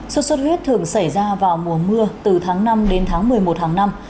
suốt suốt huyết thường xảy ra vào mùa mưa từ tháng năm đến tháng một mươi một hàng năm